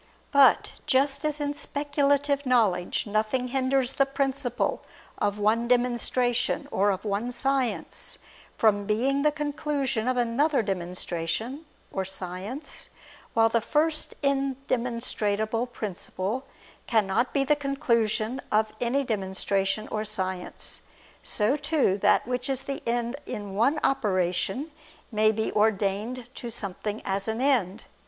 But just as in speculative knowledge nothing hinders the principle of one demonstration or of one science, from being the conclusion of another demonstration or science; while the first indemonstrable principle cannot be the conclusion of any demonstration or science; so too that which is the end in one operation, may be ordained to something as an end.